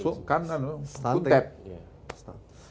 so kanan kutep